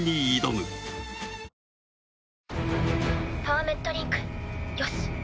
パーメットリンクよし。